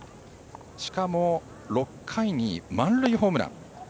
しかも、６回に満塁ホームラン。